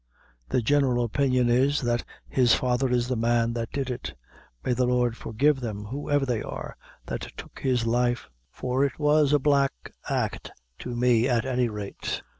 The general opinion is, that his father is the man that did it. May the Lord forgive them, whoever they are, that took his life for it was a black act to me at any rate!"